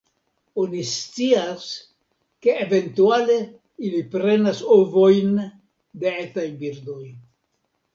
Oni scias, ke eventuale ili prenas ovojn de etaj birdoj.